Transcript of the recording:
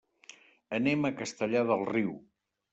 Anem a Castellar del Riu.